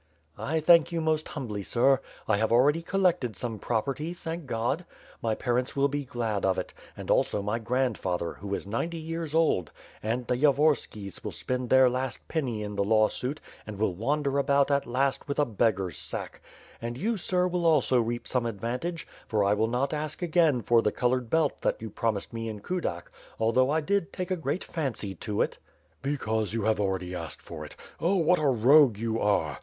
"I thank you most humbly, sir. I have already collected some property, thank God. My parents will be glad of it, WITH PIR^ AND SWOiftD. 403 and also my grandfather, who is ninety years old; and the Yavorskis will spend their last penny in the lawsuit apd will wander about at last with a beggar's sack. And you, sir. will also reap some advantage, for I will not ask again for the colored belt that you promised me in Kudak, although I did take a great fancy to it." '* Because you have already asked for it! Oh what a rogue you are.